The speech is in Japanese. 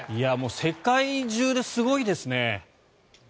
世界中ですごいですね。